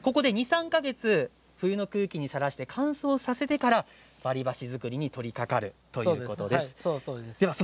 ２、３か月、冬の空気にさらして乾燥させてから割り箸作りに取りかかるということなんですね。